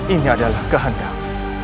ini adalah kehendak